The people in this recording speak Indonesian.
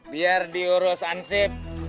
biar diurus ansip